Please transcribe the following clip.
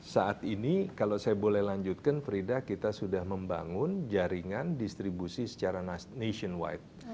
saat ini kalau saya boleh lanjutkan frida kita sudah membangun jaringan distribusi secara nationwide